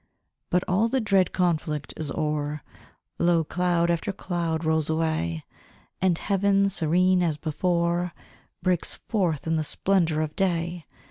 But all the dread conflict is o'er; Lo! cloud after cloud rolls away; And heaven, serene as before, Breaks forth in the splendour of day!